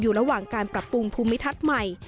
ระหว่างการปรับปรุงภูมิทัศน์ใหม่